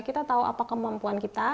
kita tahu apa kemampuan kita